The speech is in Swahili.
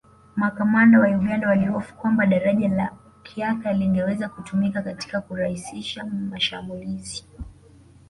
Makamanda wa Uganda walihofu kwamba Daraja la Kyaka lingeweza kutumika katika kurahisisha mashamulizi